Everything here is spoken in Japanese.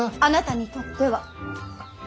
あなたにとっては。